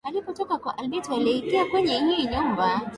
Alipotoka kwa Alberto aliekelea kwenye ile nyumba